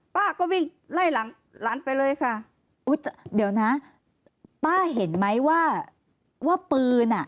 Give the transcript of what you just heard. ป้าก็วิ่งไล่หลังหลานไปเลยค่ะอุ้ยเดี๋ยวนะป้าเห็นไหมว่าว่าปืนอ่ะ